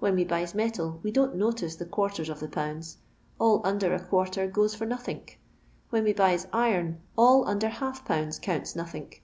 When we buys metal, we don't notice the quarters of the pounds ; all undtT a quarter goes for nothink. When we buys iron, all under half pounds counts nothink.